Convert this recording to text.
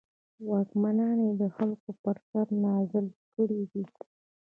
واکمنان یې د خلکو پر سر رانازل کړي دي.